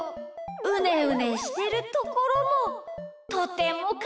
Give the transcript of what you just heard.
うねうねしてるところもとてもかわいいです。